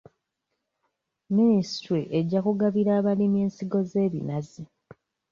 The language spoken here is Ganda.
Minisitule ejja kugabira abalimi ensigo z'ebinazi.